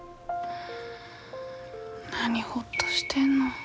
何ほっとしてんの。